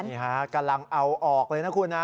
นี่ฮะกำลังเอาออกเลยนะคุณนะ